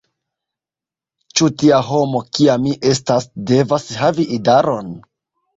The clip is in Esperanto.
Ĉu tia homo, kia mi estas, devas havi idaron?